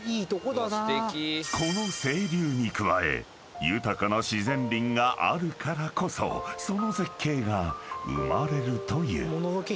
［この清流に加え豊かな自然林があるからこそその絶景が生まれるという］